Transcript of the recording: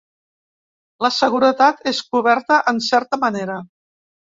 La seguretat és coberta en certa manera.